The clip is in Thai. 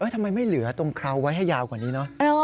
ทำไมไม่เหลือตรงเคราไว้ให้ยาวกว่านี้เนอะ